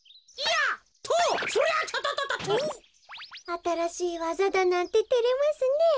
あたらしいわざだなんててれますねえ。